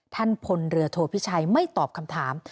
ท่านพลเรือโทพิชัยไม่ตอบคำถาม